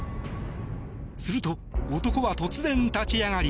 すると、男は突然立ち上がり。